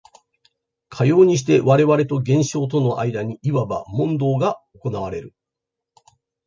かようにして我々と現象との間にいわば問答が行われる。